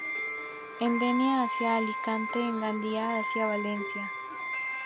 En Denia hacia Alicante y en Gandía hacia Valencia.